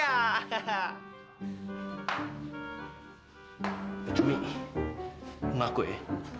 pak cumi ngaku ya